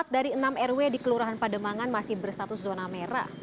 empat dari enam rw di kelurahan pademangan masih berstatus zona merah